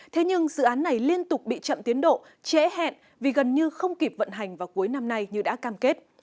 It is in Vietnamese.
thế nhưng dự án này liên tục bị chậm tiến độ trễ hẹn vì gần như không kịp vận hành vào cuối năm nay như đã cam kết